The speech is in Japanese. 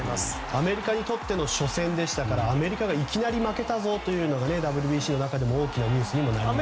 アメリカにとっての初戦でしたからアメリカがいきなり負けたぞというのがＷＢＣの中でも大きなニュースにもなりました。